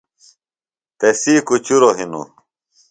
تسی کُچُروۡ ہِنوۡ۔